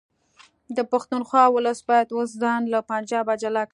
د پښتونخوا ولس باید اوس ځان له پنجابه جلا کړي